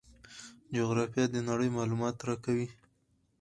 جغرافیه د نړۍ معلومات راکوي.